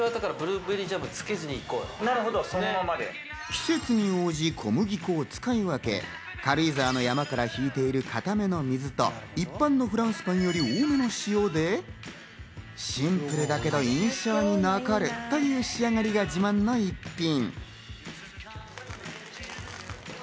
季節に応じ小麦粉を使い分け、軽井沢の山から引いている硬めの水と一般のフランスパンよりも多めの塩でシンプルだけど印象に残るという仕上がりが自慢の一品。